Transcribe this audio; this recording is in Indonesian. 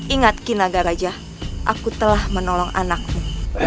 ingat kinaga raja aku telah menolong anakku